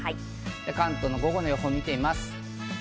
関東の午後の予報を見てみます。